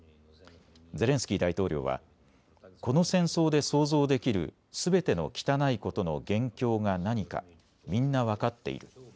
ゼレンスキー大統領はこの戦争で想像できるすべての汚いことの元凶が何かみんな分かっている。